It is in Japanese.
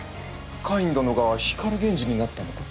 カイン殿が光源氏になったのか！？